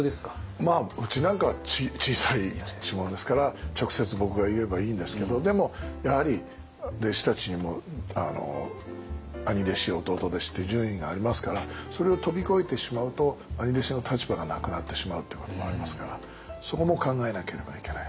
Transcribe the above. まあうちなんか小さい一門ですから直接僕が言えばいいんですけどでもやはり弟子たちにも兄弟子弟弟子って順位がありますからそれを飛び越えてしまうと兄弟子の立場がなくなってしまうってこともありますからそこも考えなければいけない。